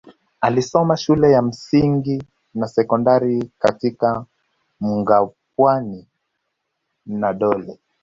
Alisoma shule ya msingi na sekondari katika Mangapwani na Dole